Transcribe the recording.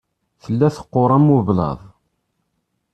Tella teqqur am ublaḍ.